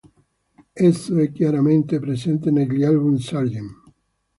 Esso è chiaramente presente negli album "Sgt.